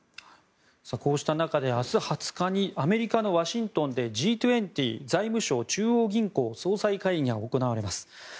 こうした中で明日２０日にアメリカのワシントンでＧ２０＝財務相・中央銀行総裁会議が行われます。